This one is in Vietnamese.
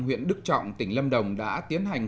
huyện đức trọng tỉnh lâm đồng đã tiến hành